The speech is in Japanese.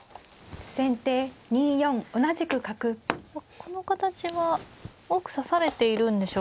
この形は多く指されているんでしょうか。